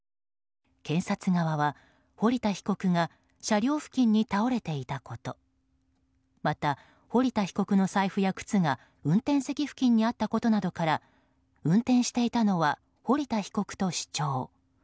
検察側は堀田被告が車両付近に倒れていたことまた堀田被告の財布や靴が運転席付近にあったことなどから運転していたのは堀田被告と主張。